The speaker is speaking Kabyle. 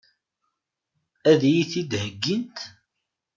Ad iyi-t-id-heggint?